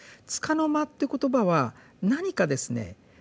「束の間」って言葉は何かですね